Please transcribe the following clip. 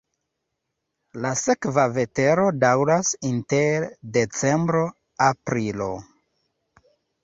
La seka vetero daŭras inter decembro-aprilo.